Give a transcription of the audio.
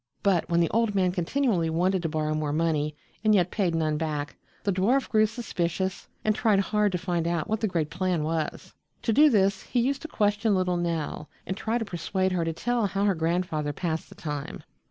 But when the old man continually wanted to borrow more money and yet paid none back, the dwarf grew suspicious and tried hard to find out what the great plan was. To do this he used to question little Nell and try to persuade her to tell how her grandfather passed the time.